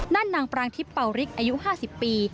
นั่นนางปรางทิปเปาริกอายุ๕๐ปี